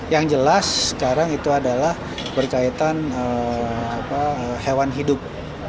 yang jelas sekarang itu adalah berkaitan hewan hidup